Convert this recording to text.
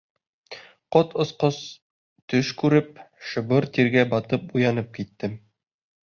Ҡот осҡос төш күреп, шыбыр тиргә батып уянып киттем.